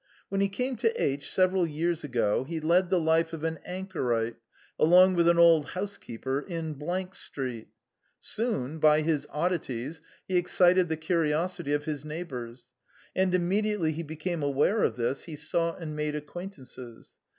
When he came to H y several years ago, he led the life of an anchorite, along with an old housekeeper, in Street. Soon, by his oddities, he excited the curiosity of his neigh bours ; and immediately he became aware of this, he sought and made acquaintances.